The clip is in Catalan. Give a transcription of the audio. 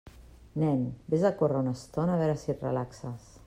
Nen, vés a córrer una estona, a veure si et relaxes.